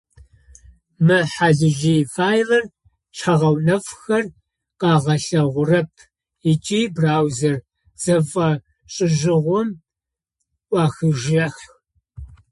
Мы хьалыжъый файлыр шъхьэ-гъэунэфхэр къыгъэлъагъорэп ыкӏи браузэр зэфэшӏыжьыгъом ӏуахыжьых.